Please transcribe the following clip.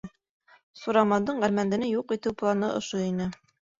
Сурамандың әрмәндене юҡ итеү планы ошо ине.